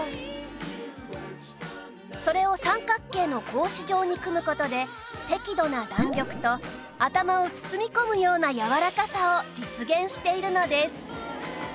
それを三角形の格子状に組む事で適度な弾力と頭を包み込むようなやわらかさを実現しているのです